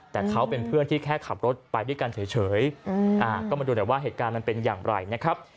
แต่เขาเป็นเพื่อนที่แค่ขับรถไปด้วยกันเฉยก็มาดูหน่อยว่าเหตุการณ์มันเป็นอย่างไรนะครับ